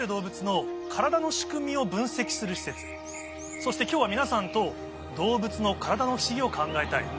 そして今日は皆さんと動物の体の不思議を考えたい。